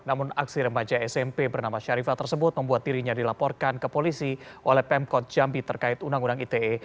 namun aksi remaja smp bernama syarifah tersebut membuat dirinya dilaporkan ke polisi oleh pemkot jambi terkait undang undang ite